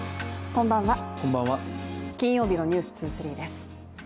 こんばんは、金曜日の「ｎｅｗｓ２３」です。